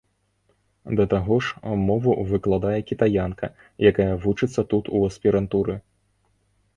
Да таго ж, мову выкладае кітаянка, якая вучыцца тут у аспірантуры.